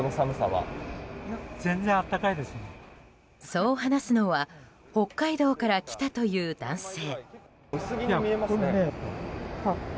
そう話すのは北海道から来たという男性。